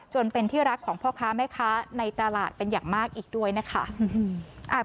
จนเป็นที่รักของพ่อค้าแม่ค้าในตลาดเป็นอย่างมากอีกด้วยนะคะ